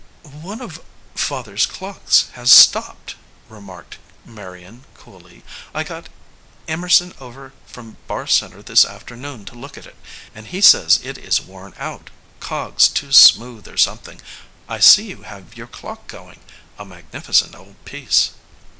"One of father s clocks has stopped," remarked Marion coolly. "I got Emerson over from Barr Center this afternoon to look at it, and he says it is worn out, cogs too smooth or something. I see you have your clock going a magnificent old piece."